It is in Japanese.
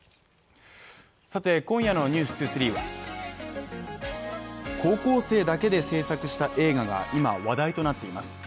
今夜の「ｎｅｗｓ２３」は高校生だけで制作した映画が今、話題となっています。